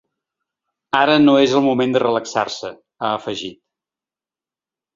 Ara no és el moment de relaxar-se, ha afegit.